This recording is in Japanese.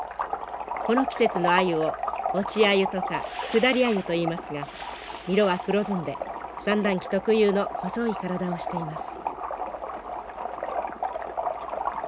この季節のアユを落ちアユとか下りアユといいますが色は黒ずんで産卵期特有の細い体をしています。